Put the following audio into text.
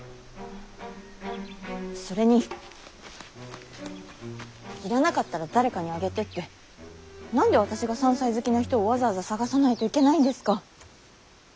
それに要らなかったら誰かにあげてって何で私が山菜好きな人をわざわざ探さないといけないんですか。